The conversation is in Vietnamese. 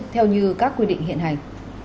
theo như các quy định hiện hành